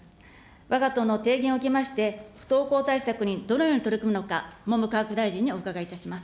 わが党の提言を受けまして、不登校対策にどのように取り組むのか、文部科学大臣にお伺いいたします。